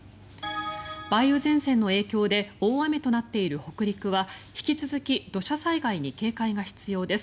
梅雨前線の影響で大雨となっている北陸は引き続き土砂災害に警戒が必要です。